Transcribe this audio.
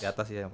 di atas ya bang